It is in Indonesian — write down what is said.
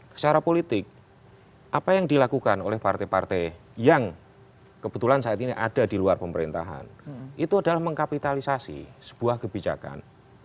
secara politik apa yang dilakukan oleh partai partai yang kebetulan saat ini ada di luar pemerintahan itu adalah mengkapitalisasi sebuah kebijakan